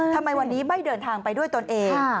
ทำไมวันนี้ไม่เดินทางไปด้วยตนเอง